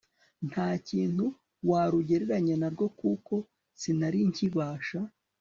ntakintu warugereranya narwo kuko sinari nkibasha